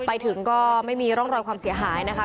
ไปถึงก็ไม่มีร่องรอยความเสียหายนะคะ